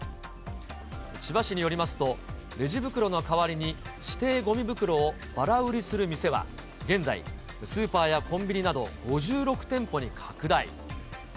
千葉市によりますと、レジ袋の代わりに指定ごみ袋をばら売りする店は現在、スーパーやコンビニなど５６店舗に拡大。